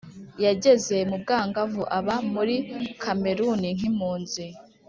yageze mu bwangavu aba muri kameruni nk’impunzi.